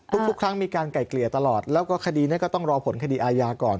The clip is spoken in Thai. ทุกครั้งมีการไก่เกลี่ยตลอดแล้วก็คดีนี้ก็ต้องรอผลคดีอาญาก่อน